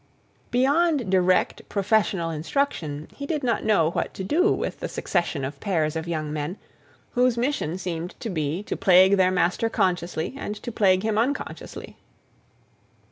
Beyond direct professional instruction, he did not know what to do with the succession of pairs of young men, whose mission seemed to be, to be plagued by their master consciously, and to plague him unconsciously.